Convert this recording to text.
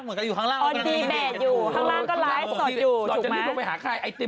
เหมือนกันอยู่ข้างล่างดีแบบอยู่ข้างล่างก็ไลล์ทคนอยู่